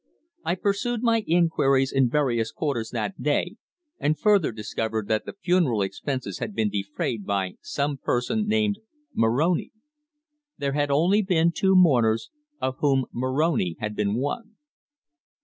I pursued my inquiries in various quarters that day, and further discovered that the funeral expenses had been defrayed by some person named Moroni. There had been only two mourners, of whom Moroni had been one.